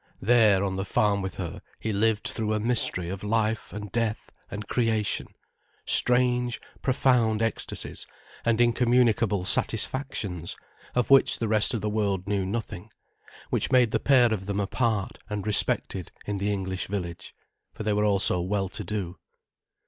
There, on the farm with her, he lived through a mystery of life and death and creation, strange, profound ecstasies and incommunicable satisfactions, of which the rest of the world knew nothing; which made the pair of them apart and respected in the English village, for they were also well to do.